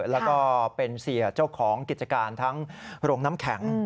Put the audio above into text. แล้วก็เป็นเสียเจ้าของกิจการทั้งโรงน้ำแข็ง